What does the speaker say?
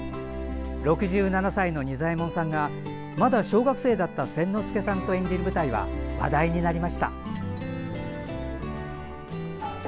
６７歳の仁左衛門さんがまだ小学生だった千之助さんと演じる舞台は、話題になりました。